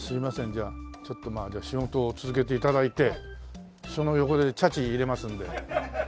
じゃあちょっとまあ仕事を続けて頂いてその横でちゃち入れますんで。